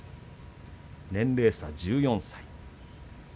年齢差、１４歳。